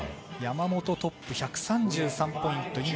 山本トップ１３３ポイント。